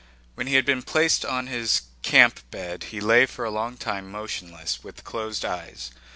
When he had been placed on his camp bed he lay for a long time motionless with closed eyes.